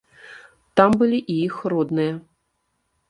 Там былі і іх родныя.